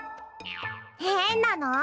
へんなの。